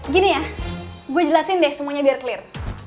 gini ya gue jelasin deh semuanya biar clear